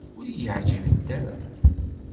Ur yi-ɛǧibent ara.